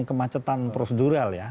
kemacetan prosedural ya